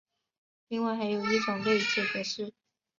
另外还有一种内置格式。